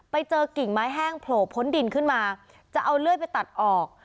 กิ่งไม้แห้งโผล่พ้นดินขึ้นมาจะเอาเลื่อยไปตัดออก